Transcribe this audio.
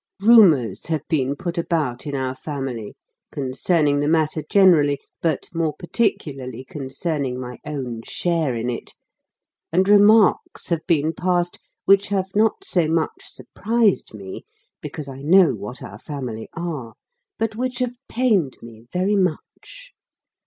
Rumours have been put about in our family, concerning the matter generally, but more particularly concerning my own share in it, and remarks have been passed which have not so much surprised me, because I know what our family are, but which have pained me very much.